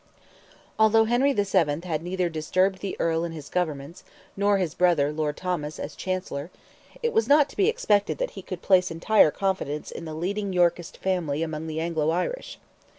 Although Henry VII. had neither disturbed the Earl in his governments, nor his brother, Lord Thomas, as Chancellor, it was not to be expected that he could place entire confidence in the leading Yorkist family among the Anglo Irish.